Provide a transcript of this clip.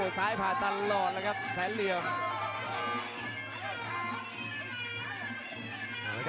ซ้ายผ่าตลอดแล้วครับแสนเหลี่ยม